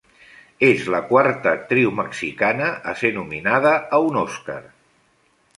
És la quarta actriu mexicana a ser nominada a un Oscar.